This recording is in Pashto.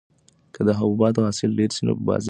که د حبوباتو حاصل ډېر شي نو په بازار کې یې بیه راټیټیږي.